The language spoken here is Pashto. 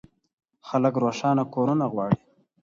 خلک روښانه کورونه غواړي.